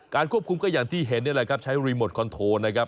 ควบคุมก็อย่างที่เห็นนี่แหละครับใช้รีโมทคอนโทรนะครับ